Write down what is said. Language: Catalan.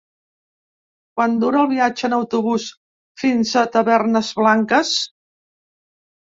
Quant dura el viatge en autobús fins a Tavernes Blanques?